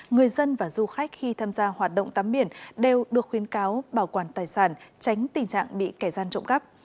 người dân và du khách khi tham gia hoạt động tắm biển đều được khuyến cáo bảo quản tài sản tránh tình trạng bị kẻ gian trộm cắp